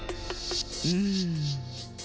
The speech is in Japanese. うん。